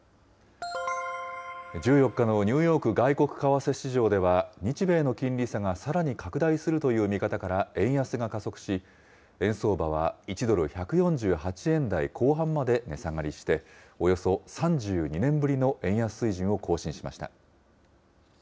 １４日のニューヨーク外国為替市場では、日米の金利差がさらに拡大するという見方から、円安が加速し、円相場は１ドル１４８円台後半まで値下がりして、およそ３２年ぶりの円安水準を更新しました。